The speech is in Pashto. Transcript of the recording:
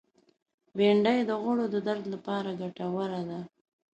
بېنډۍ د غړو د درد لپاره ګټوره ده